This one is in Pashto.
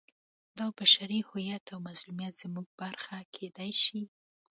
دا بشري هویت او مظلومیت زموږ برخه کېدای شي.